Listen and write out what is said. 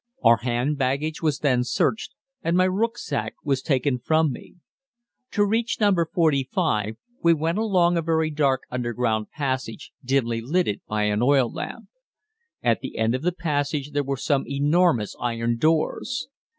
Our hand baggage was then searched, and my rücksack was taken from me. To reach No. 45 we went along a very dark underground passage dimly lighted by an oil lamp. At the end of the passage there were some enormous iron doors.